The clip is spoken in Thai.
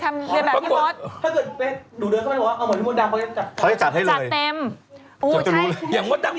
ถ้าเกิดไปดูเดินเขาไม่ได้บอกว่าเอาหมดพี่มดดำเขาก็จะจัดเต็ม